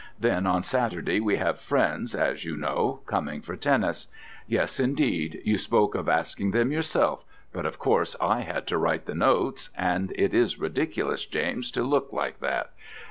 Then on Saturday we have friends, as you know, coming for tennis. Yes, indeed, you spoke of asking them yourself, but, of course, I had to write the notes, and it is ridiculous, James, to look like that.